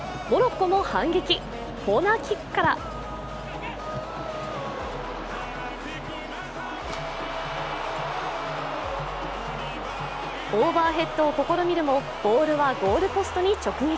コーナーキックからオーバーヘッドを試みるもボールはゴールポストに直撃。